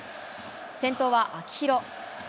先頭は秋広。